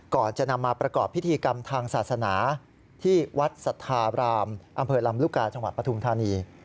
ก่อนจะนำมาประกอบพิธีกรรมทางศาสนาที่วัดสัทธาบรามอำเภอลำลูกกาจังหวัดปฐุมธานี